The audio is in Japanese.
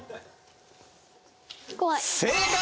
正解！